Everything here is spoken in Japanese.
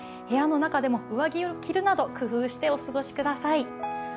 部屋の中でも上着を着るなど、工夫してお過ごしください。